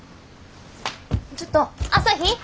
ちょっと朝陽！